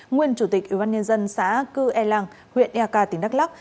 nguyên chủ tịch ủy ban nhân dân xã cư e làng huyện eka tỉnh đắk lắc